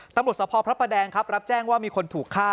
ตำรวจสภพระประแดงครับรับแจ้งว่ามีคนถูกฆ่า